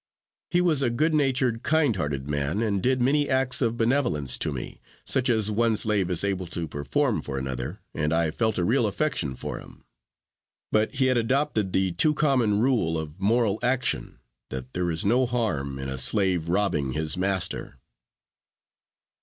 He was a good natured, kind hearted man, and did many acts of benevolence to me, such as one slave is able to perform for another, and I felt a real affection for him; but he had adopted the too common rule of moral action, that there is no harm in a slave robbing his master.